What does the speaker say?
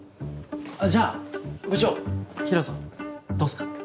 じゃあ部長平良さんどうっすか？